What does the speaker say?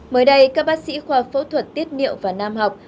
mới đây các bác sĩ khoa phẫu thuật tiết niệu và nam học